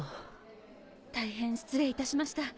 大変失礼いたしました。